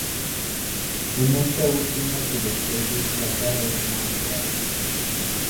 En esta última subespecie la cara es más clara.